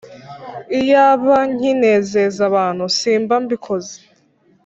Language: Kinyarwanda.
Iyaba nkinezeza abantu simba mbikoze